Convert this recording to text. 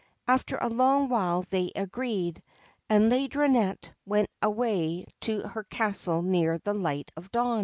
After a long while they agreed, and Laideronnette went away to her castle near the Light of Dawn.